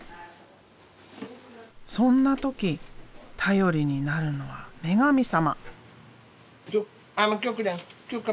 そんな時頼りになるのは女神様。